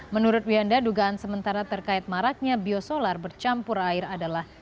menurut wiyanda dugaan sementara terkait maraknya biosolar bercampur air adalah